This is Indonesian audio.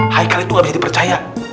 haikal itu gak bisa dipercaya